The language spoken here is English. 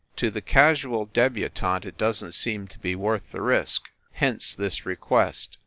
To the casual debu tante, it doesn t seem to be worth the risk. Hence, this request.